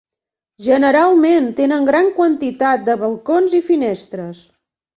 Generalment tenen gran quantitat de balcons i finestres.